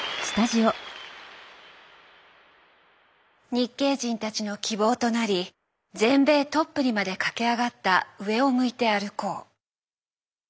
日系人たちの希望となり全米トップにまで駆け上がった「上を向いて歩こう」。